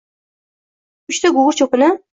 Uchta gugurt cho‘pini: